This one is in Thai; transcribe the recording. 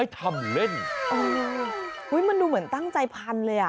ทำเล่นมันดูเหมือนตั้งใจพันเลยอ่ะ